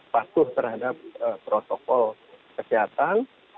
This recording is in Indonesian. pastuh terhadap protokol kesehatan